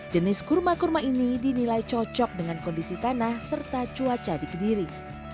jenis kurma kurma ini dinilai cocok dengan kondisi tanah serta cuaca di kediri